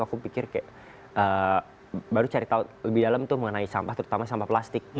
aku pikir kayak baru cari tahu lebih dalam tuh mengenai sampah terutama sampah plastik